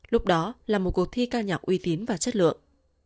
lúc đó là một cuộc thi ca nhạc uy tín và chất lượng